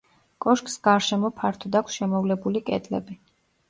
კოშკს გარშემო ფართოდ აქვს შემოვლებული კედლები.